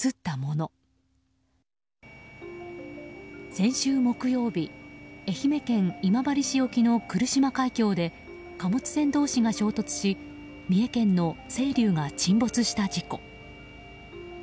先週木曜日愛媛県今治市沖の来島海峡で貨物船同士が衝突し三重県の「せいりゅう」が沈没した事故。